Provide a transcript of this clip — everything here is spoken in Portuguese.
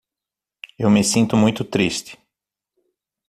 Eu me sinto muito triste